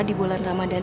di bulan ramadan